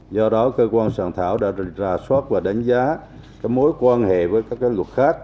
do đó cơ quan soạn thảo đã ra soát và đánh giá mối quan hệ với các luật khác